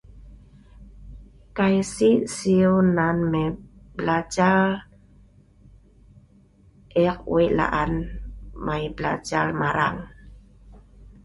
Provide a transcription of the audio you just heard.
Kai Si siw nan belajar. Eek Wei laan mai BELAJAR marang.